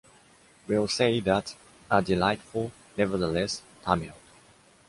will say that ...are delightful, nevertheless - Tamil ...